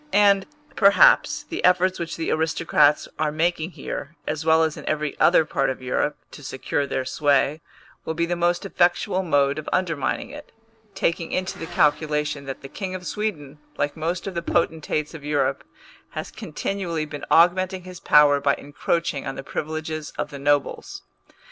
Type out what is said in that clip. And, perhaps, the efforts which the aristocrats are making here, as well as in every other part of Europe, to secure their sway, will be the most effectual mode of undermining it, taking into the calculation that the King of Sweden, like most of the potentates of Europe, has continually been augmenting his power by encroaching on the privileges of the nobles.